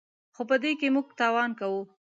خو په دې کې موږ تاوان کوو.